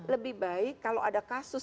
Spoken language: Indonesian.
lebih baik kalau ada kasus